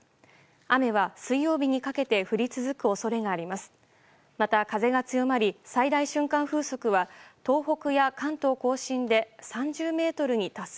雨は水曜日にかけて降り続く恐れがあります。